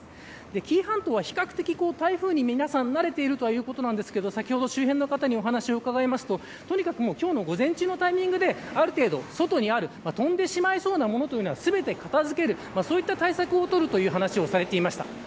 紀伊半島は、比較的台風に皆さん慣れているということなんですが先ほど周辺の方にお話を伺うととにかく今日の午前中のタイミングである程度、外にある飛んでしまいそうなものは全て片付けるそういう対策を取るとお話をされていました。